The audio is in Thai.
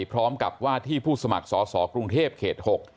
พร้อมกับว่าที่ผู้สมัครสอสอกรุงเทพเขต๖